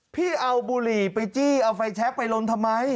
พี่เอาบุหรี่ไปจี้เอาไฟแชคไปลนทำไม